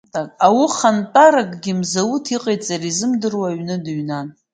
Аухантәаракгьы Мзауҭ, иҟаиҵара изымдыруа, аҩны дыҩнан.